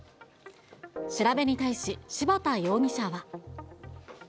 調べに対し、柴田容疑者は。